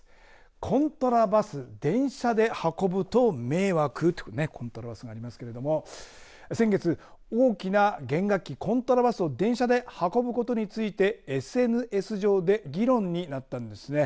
コントラバス電車で運ぶと迷惑。という、コントラバスがありますけど、先月大きな弦楽器コントラバスを電車で運ぶことについてＳＮＳ上で議論になったんですね。